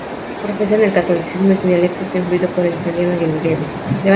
Profesan el catolicismo y su dialecto está influido por el italiano y el griego.